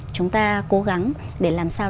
chúng ta cố gắng để làm sao